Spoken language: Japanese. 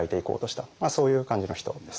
そういう感じの人ですね。